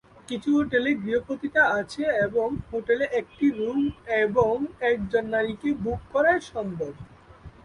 কিছু হোটেলে "গৃহ পতিতা" আছে এবং হোটেলে একটি রুম এবং একজন নারীকে বুক করা সম্ভব।